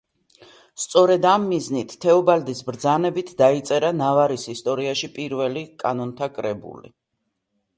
სწორედ ამ მიზნით, თეობალდის ბრძანებით დაიწერა ნავარის ისტორიაში პირველი კანონთა კრებული.